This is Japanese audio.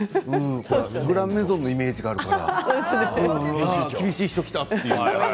「グランメゾン」のイメージがあるから厳しい人来たって。